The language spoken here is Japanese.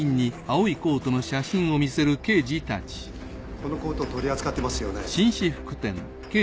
このコート取り扱ってますよね？